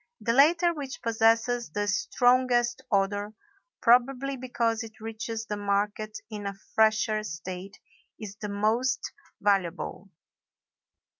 The latter, which possesses the strongest odor, probably because it reaches the market in a fresher state, is the most valuable.